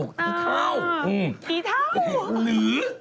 อ๋อกี่เท่าหือ